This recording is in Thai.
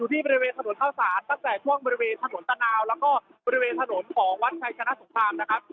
ที่บริเวณถนนเข้าศาลตั้งแต่ช่วงบริเวณถนนตะนาวแล้วก็บริเวณถนนของวัดชัยชนะสงครามนะครับ